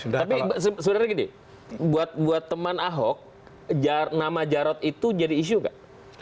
tapi sebenarnya gini buat teman ahok nama jarod itu jadi isu gak